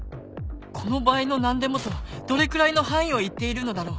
この場合の「何でも」とはどれくらいの範囲を言っているのだろう